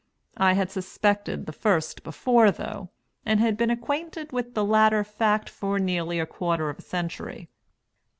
I had suspected the first before, though, and been acquainted with the latter fact for nearly a quarter of a century.